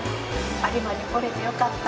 有馬に来られてよかった。